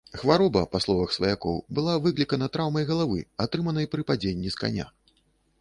Хвароба, па словах сваякоў, была выклікана траўмай галавы, атрыманай пры падзенні з каня.